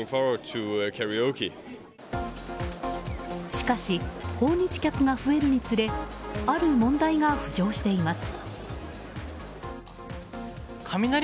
しかし、訪日客が増えるにつれある問題が浮上しています。